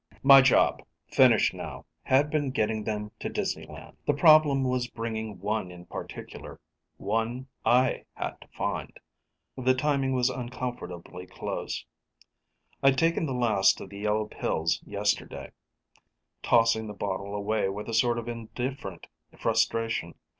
_ My job, finished now, had been getting them to Disneyland. The problem was bringing one in particular one I had to find. The timing was uncomfortably close. I'd taken the last of the yellow pills yesterday, tossing the bottle away with a sort of indifferent frustration.